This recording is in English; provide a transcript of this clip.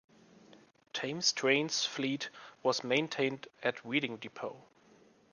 Thames Trains' fleet was maintained at Reading depot.